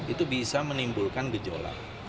itu bisa menimbulkan gejolak